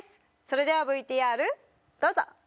それではＶＴＲどうぞ！